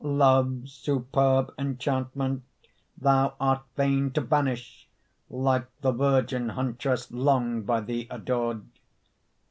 Love's superb enchantment Thou art fain to banish, Like the virgin Huntress Long by thee adored.